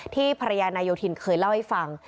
ภรรยานายโยธินเคยเล่าให้ฟัง